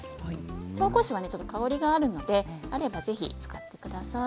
紹興酒はちょっと香りがあるのであればぜひ使ってください。